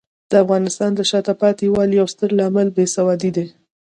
د افغانستان د شاته پاتې والي یو ستر عامل بې سوادي دی.